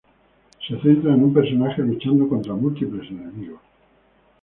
Se centra en un personaje luchando contra múltiples enemigos.